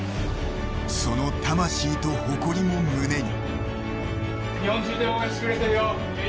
その魂と誇りを胸に。